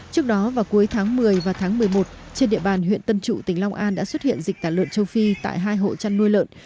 trước đó vào cuối tháng một mươi và tháng một mươi một trên địa bàn huyện tân trụ tỉnh long an đã xuất hiện dịch tả lợn châu phi tại hai hộ chăn nuôi lợn